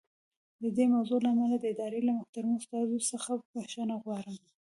د دې موضوع له امله د ادارې له محترمو استازو څخه بښنه غواړم.